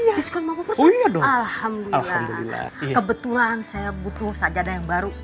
alhamdulillah kebetulan saya butuh saja ada yang baru